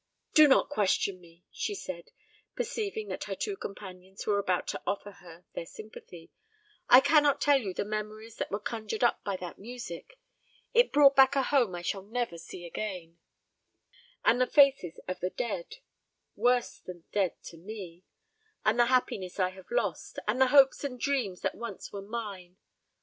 "Do not question me," she said, perceiving that her two companions were about to offer her their sympathy. "I cannot tell you the memories that were conjured up by that music. It brought back a home I shall never see again, and the faces of the dead worse than dead to me and the happiness I have lost, and the hopes and dreams that once were mine.